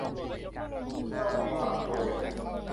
คุณต้องไม่มีความกลัวอย่างนั้น